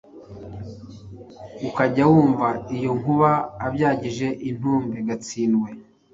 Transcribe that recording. Ukajya wumva iyo nkubaAbyagije intumbi i Gatsindwe